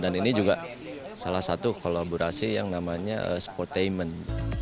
ini juga salah satu kolaborasi yang namanya sportainment